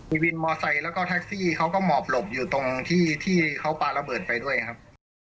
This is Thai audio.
มีวินมอไซค์แล้วก็แท็กซี่เขาก็หมอบหลบอยู่ตรงที่ที่เขาปาระเบิดไปด้วยครับ